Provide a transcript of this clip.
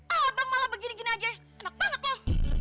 abang malah begini gini aja enak banget loh